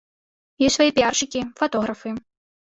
Ёсць свае піяршчыкі, фатографы.